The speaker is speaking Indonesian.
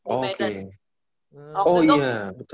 oke oh iya betul